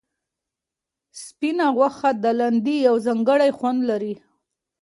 سپینه غوښه د لاندي یو ځانګړی خوند لري.